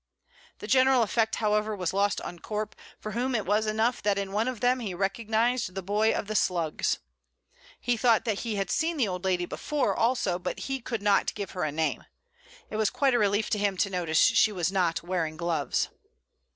The general effect, however, was lost on Corp, for whom it was enough that in one of them he recognized the boy of the Slugs. He thought he had seen the old lady before, also, but he could not give her a name. It was quite a relief to him to notice that she was not wearing gloves.